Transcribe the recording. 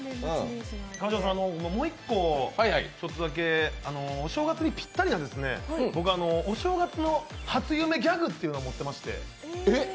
川島さん、僕もう一個、お正月にぴったりなお正月の初夢ギャグというのを持ってまして。